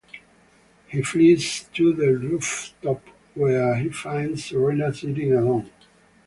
He flees to the rooftop, where he finds Serena sitting alone.